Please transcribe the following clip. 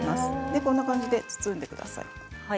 こんな感じで包んでくださいね。